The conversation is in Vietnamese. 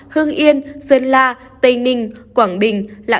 hương yên dân la tây ninh